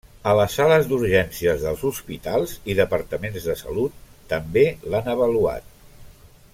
A les sales d'urgències dels hospitals i departaments de salut també l'han avaluat.